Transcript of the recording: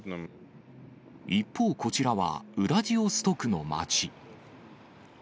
一方、こちらはウラジオストクの街。